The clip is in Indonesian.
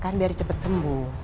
kan biar cepet sembuh